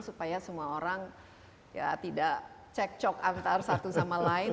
supaya semua orang ya tidak cek cok antar satu sama lain